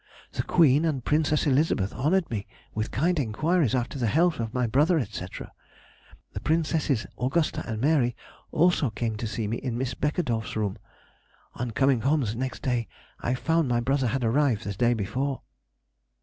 The Queen and Princess Elizabeth honoured me with kind enquiries after the health of my brother, &c. The Princesses Augusta and Mary also came to see me in Miss Beckedorff's room. On coming home the next day, I found my brother had arrived the day before.